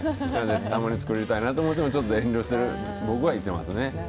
たまに作りたいなと思っても、ちょっと遠慮する、僕は言ってますね。